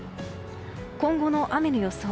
今後の雨の予想。